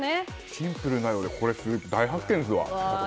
シンプルなようでこれは大発見ですわ。